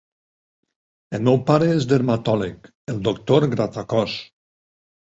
El meu pare és dermatòleg, el doctor Gratacós.